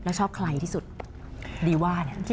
แล้วชอบใครที่สุดดีวาส